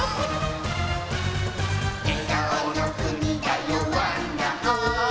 「えがおのくにだよワンダホー」